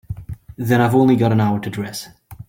Then I've only got an hour to dress.